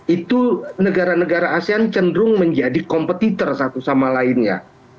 itu negara negara asean cenderung menjadi kompetitor satu sama lainnya